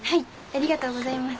ありがとうございます。